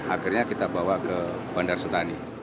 akhirnya kita bawa ke bandara sutani